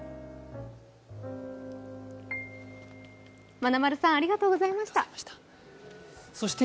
まなまるさん、ありがとうございました。